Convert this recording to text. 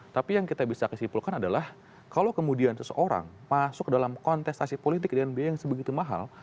tapi yang kita bisa kesimpulkan adalah kalau kemudian seseorang masuk dalam kontestasi politik dengan biaya yang sebegitu mahal